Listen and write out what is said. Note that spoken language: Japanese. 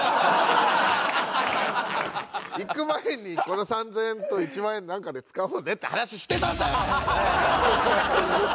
行く前にこの３０００円と１万円なんかで使おうねって話してたんだよ！